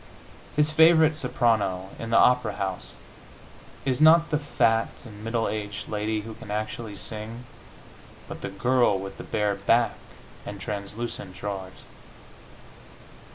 His favorite soprano, in the opera house, is not the fat and middle aged lady who can actually sing, but the girl with the bare back and translucent drawers.